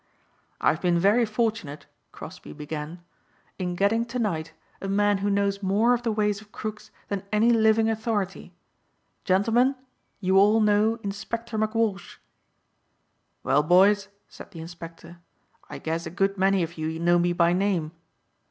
"I have been very fortunate," Crosbeigh began, "in getting to night a man who knows more of the ways of crooks than any living authority. Gentlemen, you all know Inspector McWalsh!" "Well, boys," said the Inspector, "I guess a good many of you know me by name."